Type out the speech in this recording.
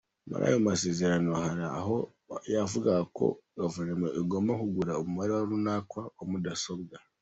Muri ayo masezerano, hari aho yavugaga ko guverinoma igomba kugura umubare runaka wa mudasobwa.